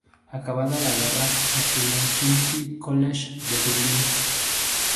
Acabada la guerra, estudió en el Trinity College de Dublín.